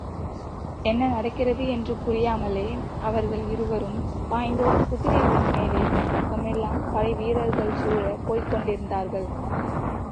என்ன நடக்கிறது என்று புரியாமலே அவர்கள் இருவரும், பாய்ந்தோடும் குதிரைகளின் மேலே, பக்கமெல்லாம் படைவீரர்கள் சூழப் போய்க் கொண்டிருந்தார்கள்.